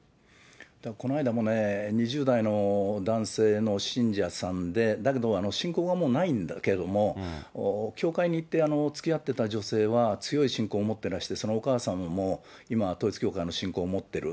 この間もね、２０代の男性の信者さんで、だけど信仰はもうないんだけど、教会にいてつきあってた女性は、強い信仰を持ってらして、そのお母様も今、統一教会の信仰を持ってる。